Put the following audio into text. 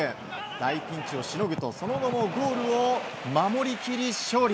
大ピンチをしのぐとその後もゴールを守り切り勝利。